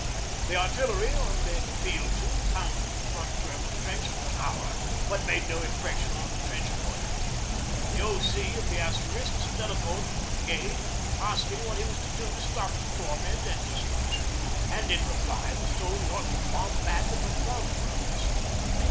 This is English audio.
The Artillery, on being appealed to, pounded the front German trench for an hour, but made no impression on the trench mortar. The O.C. of the Asterisks telephoned the Brigade asking what he was to do to stop the torment and destruction, and in reply was told he ought to bomb back at the bomb throwers.